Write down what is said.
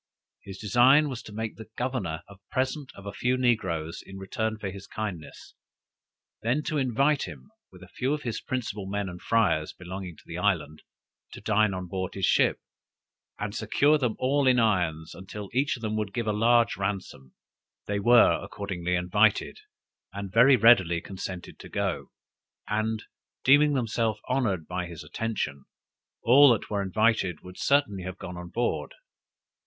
He design was to make the governor a present of a few negroes in return for his kindness; then to invite him, with a few of the principal men and friars belonging to the island, to dine on board his ship, and secure them all in irons, until each of them should give a large ransom. They were accordingly invited, and very readily consented to go: and deeming themselves honored by his attention, all that were invited, would certainly have gone on board.